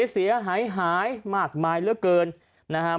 เสียหายมากมายเรียบเกิน